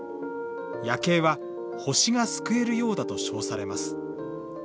夜景は星が掬えるようだと称されます。